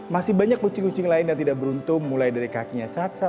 masih banyak kucing kucing lain yang tidak beruntung mulai dari kakinya cacat